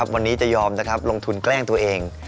วันนี้จะยอมลงทุนแกล้งตัวเอง